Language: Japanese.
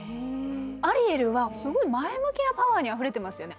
アリエルはすごい前向きなパワーにあふれてますよね。